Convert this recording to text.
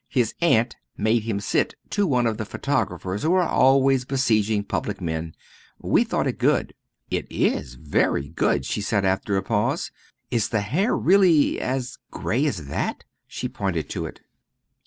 His aunt made him sit to one of the photographers who are always besieging public men. We thought it good." "It is very good," she said, after a pause. "Is the hair really as grey as that?" She pointed to it.